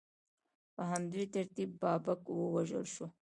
په همدې ترتیب بابک ووژل شو.